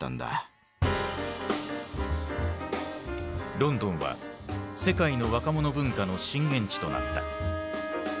ロンドンは世界の若者文化の震源地となった。